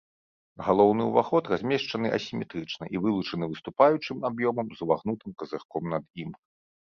Галоўны ўваход размешчаны асіметрычна і вылучаны выступаючым аб'ёмам з увагнутым казырком над ім.